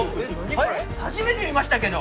はじめて見ましたけど。